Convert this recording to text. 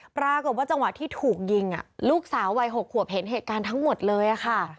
ปรากฏว่าจังหวะที่ถูกยิงลูกสาววัย๖ขวบเห็นเหตุการณ์ทั้งหมดเลยค่ะ